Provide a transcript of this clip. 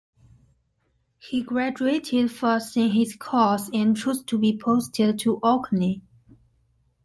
He graduated first in his course and chose to be posted to Orkney.